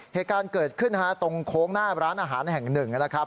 เหตุการณ์เกิดขึ้นตรงโค้งหน้าร้านอาหารแห่งหนึ่งนะครับ